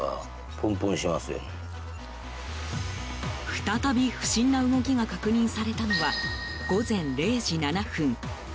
再び、不審な動きが確認されたのは午前０時７分。